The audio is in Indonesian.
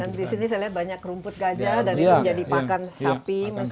di sini saya lihat banyak rumput gajah dan itu menjadi pakan sapi